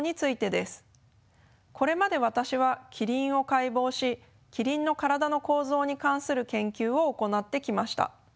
これまで私はキリンを解剖しキリンの体の構造に関する研究を行ってきました。